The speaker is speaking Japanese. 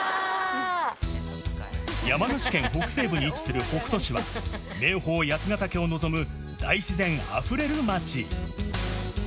山梨県北西部に位置する北杜市は、名峰、八ヶ岳を望む大自然あふれる町。